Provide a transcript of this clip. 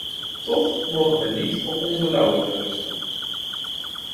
Toch mogen we niet op onze lauweren rusten.